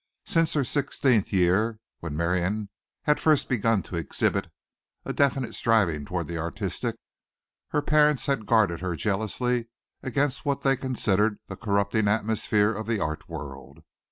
Since her sixteenth year, when Miriam had first begun to exhibit a definite striving toward the artistic, her parents had guarded her jealously against what they considered the corrupting atmosphere of the art world.